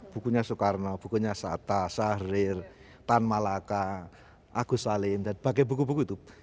bukunya soekarno bukunya sata syahrir tan malaka agus salim dan pakai buku buku itu